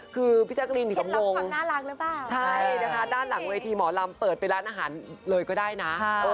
คือพิชากรีนอยู่กับวงใช่นะคะด้านหลังเวทีหมอลำเปิดไปร้านอาหารเลยก็ได้นะ